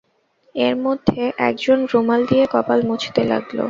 এর মধ্যে এক জন রুমাল দিয়ে কপাল মুছতে লাগল।